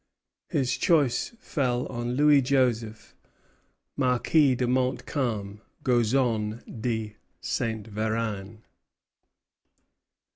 His choice fell on Louis Joseph, Marquis de Montcalm Gozon de Saint Véran.